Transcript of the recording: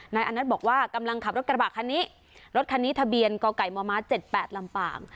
นายอนัทบอกว่ากำลังขับรถกระบะคันนี้รถคันนี้ทะเบียนกไก่มม๗๘ลำปาง